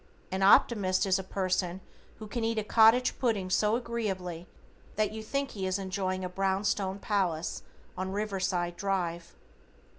An Optimist is a person who can eat a cottage pudding so agreeably that you think he is enjoying a brown stone palace on Riverside Drive.